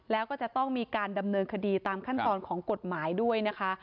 แล้วก็จะต้องมีการดำเนินคดีตามขั้นตอนของกฎหมายด้วยนะคะ